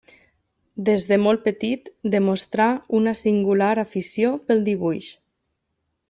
Des de molt petit demostrà una singular afició pel dibuix.